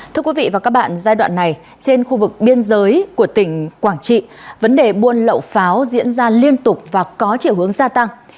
thưa quý vị và các bạn giai đoạn này trên khu vực biên giới của tỉnh quảng trị vấn đề buôn lậu pháo diễn ra liên tục và có chiều hướng gia tăng